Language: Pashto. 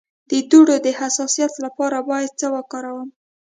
د دوړو د حساسیت لپاره باید څه وکاروم؟